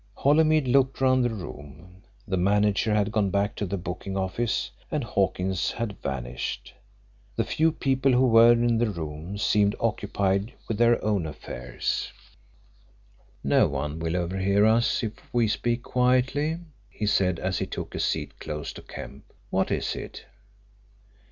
Holymead looked round the room. The manager had gone back to the booking office and Hawkins had vanished. The few people who were in the room seemed occupied with their own affairs. "No one will overhear us if we speak quietly," he said as he took a seat close to Kemp. "What is it?"